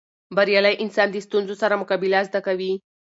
بریالی انسان د ستونزو سره مقابله زده کوي.